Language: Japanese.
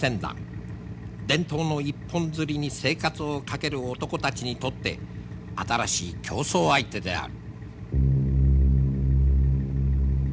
伝統の一本づりに生活を懸ける男たちにとって新しい競争相手である。